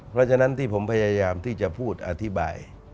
เพราะฉะนั้นที่ผมพยายามที่จะพูดอธิบาย